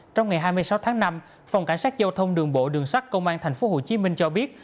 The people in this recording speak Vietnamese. trong ngày hai mươi sáu tháng năm phòng cảnh sát giao thông đường bộ đường sắt công an tp hcm cho biết